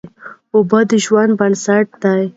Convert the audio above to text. اوبه د ژوند بنسټ دی.